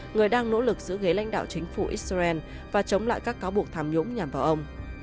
người đang nỗ lực giữ ghế lãnh đạo chính phủ israel và chống lại các cáo buộc tham nhũng nhằm vào ông